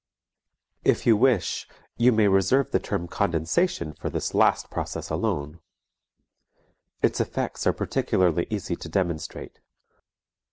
If you wish, you may reserve the term "condensation" for this last process alone. Its effects are particularly easy to demonstrate.